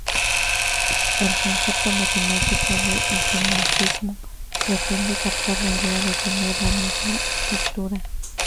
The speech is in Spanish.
El concepto matemático de isomorfismo pretende captar la idea de tener la misma estructura.